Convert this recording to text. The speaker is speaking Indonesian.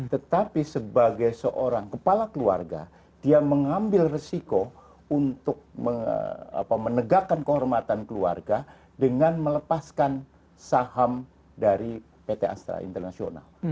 tetapi sebagai seorang kepala keluarga dia mengambil resiko untuk menegakkan kehormatan keluarga dengan melepaskan saham dari pt astra international